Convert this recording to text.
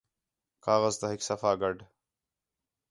کاغذ تا ہِک صفح ڳڈھ